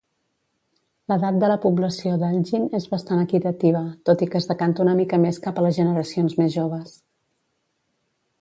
L'edat de la població d'Elgin és bastant equitativa, tot i que es decanta una mica més cap a les generacions més joves.